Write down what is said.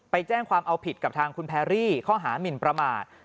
แจ้งความเอาผิดกับทางคุณแพรรี่ข้อหามินประมาท